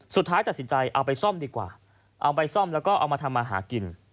สุดท้ายตัดสินใจเอาไปซ่อมดีกว่าเอาไปซ่อมแล้วก็เอามาทำมาหากิน